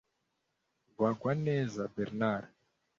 Bagwaneza Bernard